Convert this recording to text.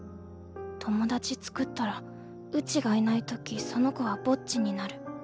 友達つくったらうちがいない時その子はぼっちになる。